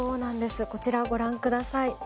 こちらをご覧ください。